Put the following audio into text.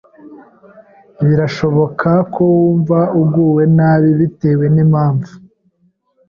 Birashoboka ko wumva uguwe nabi bitewe n’impamvu